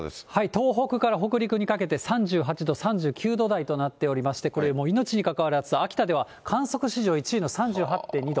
東北から北陸にかけて、３８度、３９度台となっておりまして、これ、命にかかわる暑さ、秋田では観測史上１位の３８．２度。